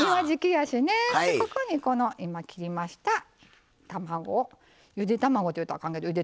ここにこの今切りました卵をゆで卵と言うとあかんけどゆで卵に見えますね。